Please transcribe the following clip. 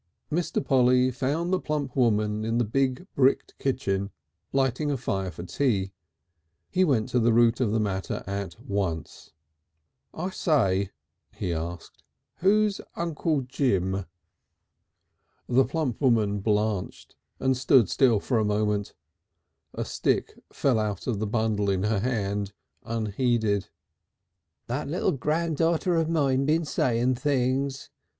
V Mr. Polly found the plump woman in the big bricked kitchen lighting a fire for tea. He went to the root of the matter at once. "I say," he asked, "who's Uncle Jim?" The plump woman blanched and stood still for a moment. A stick fell out of the bundle in her hand unheeded. "That little granddaughter of mine been saying things?"